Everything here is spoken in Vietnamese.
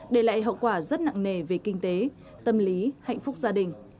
để lại hậu quả rất nặng nề về kinh tế tâm lý hạnh phúc gia đình